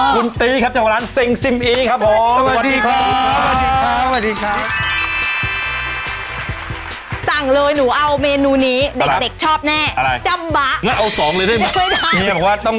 คุณตีครับเจ้าของร้านเซ็งซิมอีครับผม